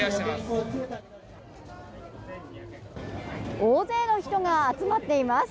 大勢の人が集まっています。